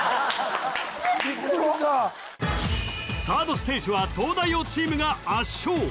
ビックリしたサードステージは東大王チームが圧勝